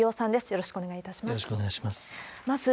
よろしくお願いします。